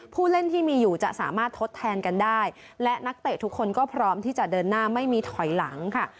ผู้เล่นที่มีอยู่จะสามารถทดแทนกันได้และนักเตะทุกคนก็พร้อมที่จะเดินหน้าไม่มีถอยหลังค่ะ